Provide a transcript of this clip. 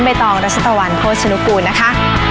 ตองรัชตะวันโภชนุกูลนะคะ